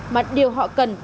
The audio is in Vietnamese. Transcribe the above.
mà điều họ cần